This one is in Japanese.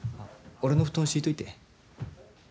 俺の布団、敷いといて。